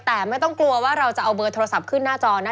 แต่ไม่ต้องกลัวว่าเราจะเอาเบอร์โทรศัพท์ขึ้นหน้าจอนะ